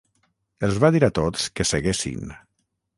Els va dir a tots que seguessin.